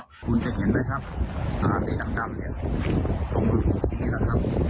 คุณจะเห็นไหมครับตรงนี้ดำเนี่ยตรงนี้สุดสีนะครับ